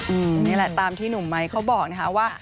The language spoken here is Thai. นี่แหละตามที่หนุ่มไม้เขาบอกนะคะว่า